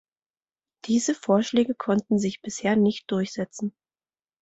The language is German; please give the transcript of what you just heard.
Diese Vorschläge konnten sich bisher nicht durchsetzen.